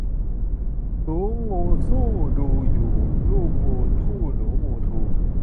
หนูงูสู้ดูอยู่ รูปงูทู่หนูมูทู